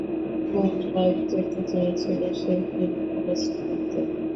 মুম্বাই যেতে চেয়েছিলো সে, ফিল্ম ইন্ড্রাস্টিতে।